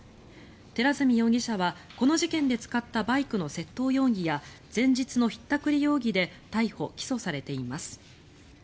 寺墨容疑者はこの事件で使ったバイクの窃盗容疑や前日のひったくり容疑で逮捕・起訴されています。